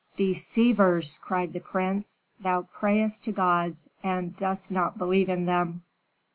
"Deceivers!" cried the prince. "Thou prayest to gods, and dost not believe in them."